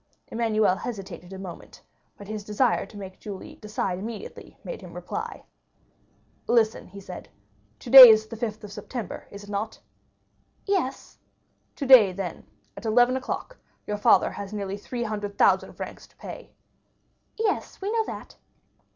Emmanuel hesitated a moment, but his desire to make Julie decide immediately made him reply. "Listen," he said; "today is the 5th of September, is it not?" "Yes." "Today, then, at eleven o'clock, your father has nearly three hundred thousand francs to pay?" "Yes, we know that."